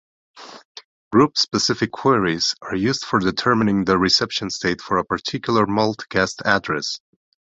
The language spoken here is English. Group-Specific Queries are used for determining the reception state for a particular multicast address.